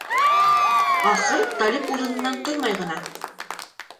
Ахыр Талип урынынан тормай ғына: